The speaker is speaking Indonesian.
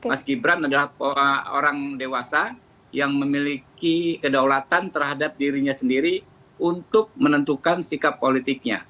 mas gibran adalah orang dewasa yang memiliki kedaulatan terhadap dirinya sendiri untuk menentukan sikap politiknya